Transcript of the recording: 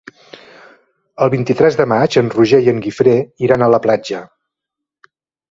El vint-i-tres de maig en Roger i en Guifré iran a la platja.